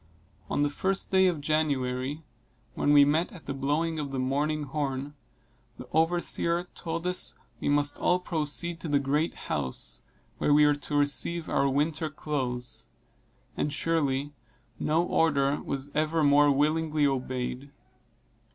On the first day of January, when we met at the blowing of the morning horn, the overseer told us we must all proceed to the great house, where we were to receive our winter clothes; and surely, no order was ever more willingly obeyed.